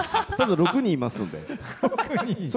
６人いますんで。